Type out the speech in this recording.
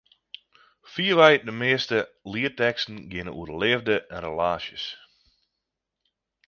Fierwei de measte lietteksten geane oer de leafde en relaasjes.